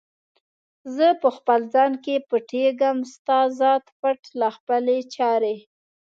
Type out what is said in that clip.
زه په خپل ځان کې پټیږم، ستا ذات پټ له خپلي چارې